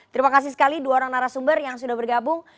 terima kasih sekali dua orang narasumber yang sudah bergabung